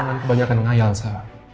jangan kebanyakan ngayal elsa